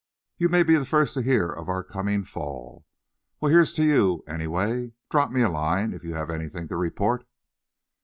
You may be the first to hear of our coming fall. Well, here's to you, anyway! Drop me a line, if you've anything to report."